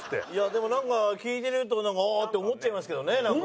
でもなんか聞いてると「ああ」って思っちゃいますけどねなんか。